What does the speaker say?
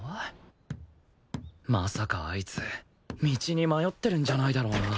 まさかあいつ道に迷ってるんじゃないだろうな